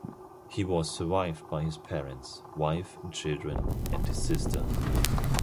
He was survived by his parents, wife and children, and his sister.